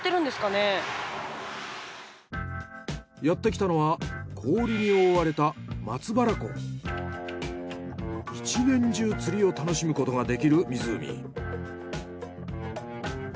やってきたのは氷に覆われた１年中釣りを楽しむことができる湖。